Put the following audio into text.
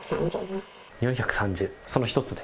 ４３０、その１つで？